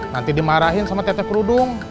nanti dimarahin sama teteh kerudung